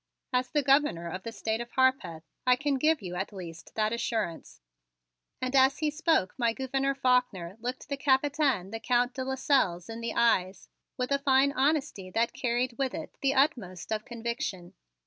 As the Governor of the State of Harpeth, I can give you at least that assurance." And as he spoke my Gouverneur Faulkner looked the Capitaine, the Count de Lasselles, in the eyes with a fine honesty that carried with it the utmost of conviction.